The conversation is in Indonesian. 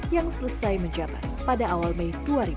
yang selesai menjabat pada awal mei dua ribu dua puluh